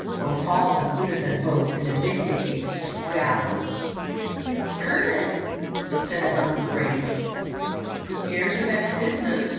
Old Paul included them both in a vindictive scowl. "Curtis," said his uncle gravely, "here's a bad business.